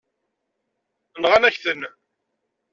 Nɣan-ak-ten.